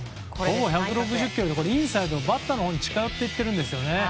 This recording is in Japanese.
ほぼ１６０キロでインサイド、バッターのほうに近寄っていっているんですね。